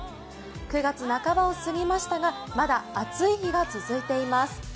９月半ばを過ぎましたがまだ暑い日が続いています。